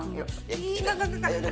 enggak enggak enggak